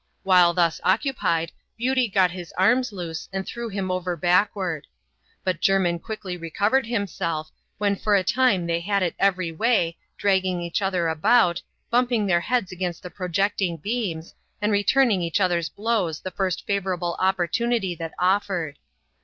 While thus occu pied, Beauty got his arms loose, and threw him over backward. But Jermin quickly recovered himself, when for a time they had it every way, dragging each other about, bumping their heads against the projecting beams, and returning each other's blows the first favourable opportunity that offered.